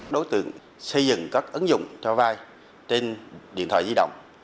đối tượng xây dựng các ứng dụng cho vai trên điện thoại di động